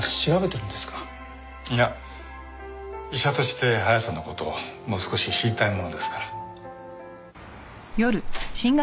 いや医者として亜矢さんの事をもう少し知りたいものですから。